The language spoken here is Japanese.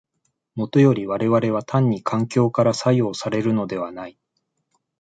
もとより我々は単に環境から作用されるのではない。